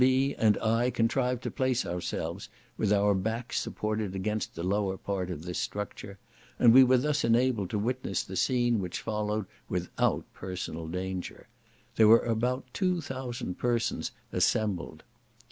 B. and I contrived to place ourselves with our backs supported against the lower part of this structure, and we were thus enabled to witness the scene which followed without personal danger. There were about two thousand persons assembled.